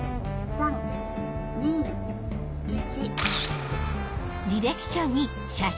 ３・２・１。